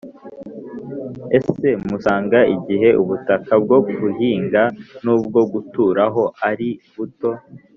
ese musanga igihe ubutaka bwo guhinga n’ubwo guturaho ari buto,